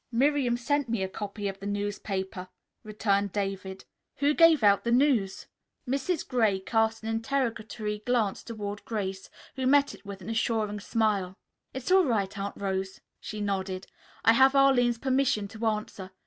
"Miriam sent me a copy of the newspaper," returned David. "Who gave out the news?" Mrs. Gray cast an interrogatory glance toward Grace, who met it with an assuring smile. "It's all right, Aunt Rose," she nodded. "I have Arline's permission to answer.